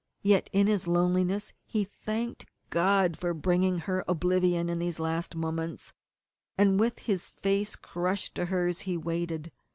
Yet in his loneliness he thanked God for bringing her oblivion in these last moments, and with his face crushed to hers he waited.